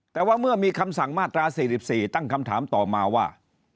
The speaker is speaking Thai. แต่ว่าเมื่อมีคำสั่งมาตรา๔๔ตั้งคำถามต่อมาว่า